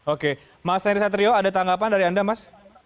oke mas henry satrio ada tanggapan dari anda mas